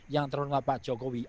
yang terhormat pak jokowi